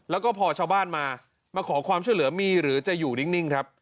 แล้วก็พอชาวบ้านมามาขอความช่วยเหลือมีหรือจะอยู่นิ่งครับ